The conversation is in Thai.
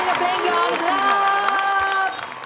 ปันกับเพลงยองครอบ